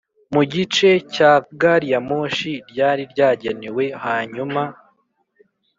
mu gice cya gari ya moshi ryari ryagenewe Hanyuma